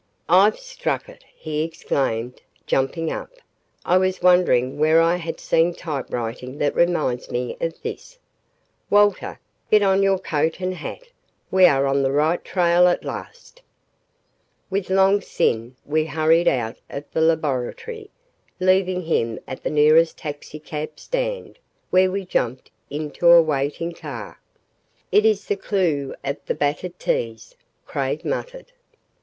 "I've struck it!" he exclaimed, jumping up. "I was wondering where I had seen typewriting that reminds me of this. Walter, get on your coat and hat. We are on the right trail at last." With Long Sin we hurried out of the laboratory, leaving him at the nearest taxicab stand, where we jumped into a waiting car. "It is the clue of the battered 'T's,'" Craig muttered.